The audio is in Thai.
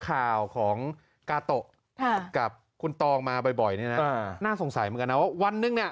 ข่าวของกาโตะกับคุณตองมาบ่อยเนี่ยนะน่าสงสัยเหมือนกันนะว่าวันหนึ่งเนี่ย